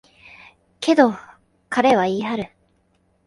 けど、彼は言い張る。